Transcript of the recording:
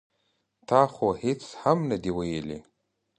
ـ تا خو هېڅ هم نه دي ویلي.